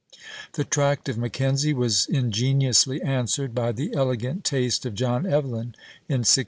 The tract of Mackenzie was ingeniously answered by the elegant taste of John Evelyn in 1667.